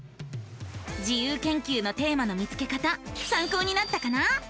自由研究のテーマの見つけ方さんこうになったかな？